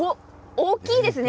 大きいですね。